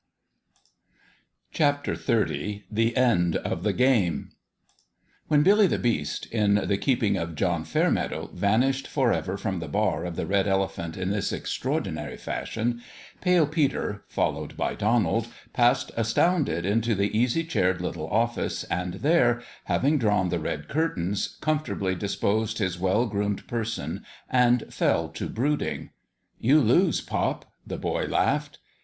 XXX THE END OF THE GAME WHEN Billy the Beast, in the keeping of John Fairmeadow, vanished forever from the bar of the Red Elephant in this extraordinary fashion, Pale Peter, followed by Donald, passed astounded into the easy chaired little office, and there, having drawn the red curtains, comfortably disposed his well groomed person and fell to brooding. " You lose, pop," the boy laughed.